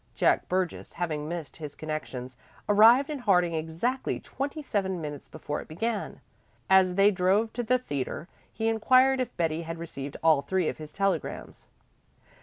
Jack Burgess, having missed his connections, arrived in Harding exactly twenty seven minutes before it began. As they drove to the theatre he inquired if Betty had received all three of his telegrams.